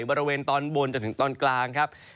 บริเวณตอนบนจนถึงตอนกลางครับ